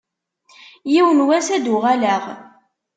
Yiwen n wass ad d-uɣaleɣ.